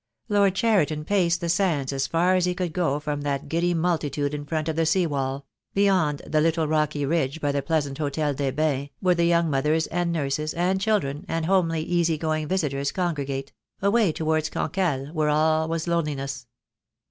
Lord Cheriton paced the sands as far as he could go from that giddy multitude in front of the sea wall — beyond the little rocky ridge by the pleasant Hotel des Bains, where the young mothers, and nurses, and children, and homely, easy going visitors congregate — away towards Cancale, where all was loneliness.